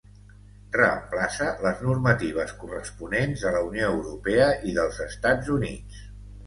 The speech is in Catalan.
Reemplaça les normatives corresponents de la Unió Europea i dels Estats Units.